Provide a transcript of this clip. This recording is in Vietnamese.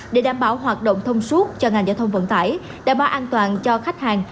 để đảm bảo hoạt động thông suốt cho ngành giao thông vận tải đảm bảo an toàn cho khách hàng